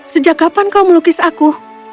sejak kapan kau melukis aku